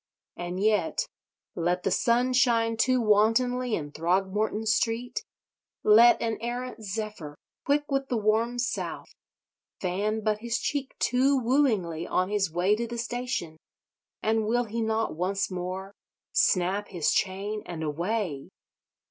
And yet—let the sun shine too wantonly in Throgmorton Street, let an errant zephyr, quick with the warm South, fan but his cheek too wooingly on his way to the station; and will he not once more snap his chain and away?